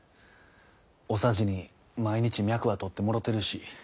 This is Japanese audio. お匙に毎日脈は取ってもろてるし。